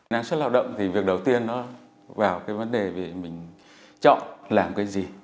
năng suất lao động thì việc đầu tiên nó vào cái vấn đề về mình chọn làm cái gì